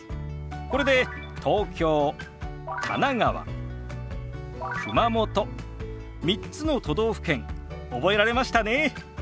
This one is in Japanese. これで「東京」「神奈川」「熊本」３つの都道府県覚えられましたね。